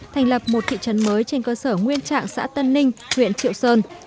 thành lập một thị trấn mới trên cơ sở nguyên trạng xã tân ninh huyện triệu sơn